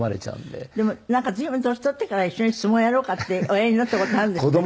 でもなんか随分年取ってから一緒に相撲をやろうかっておやりになった事あるんですって？